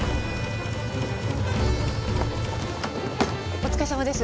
お疲れさまです。